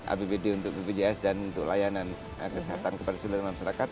apbd untuk bpjs dan untuk layanan kesehatan kepada seluruh masyarakat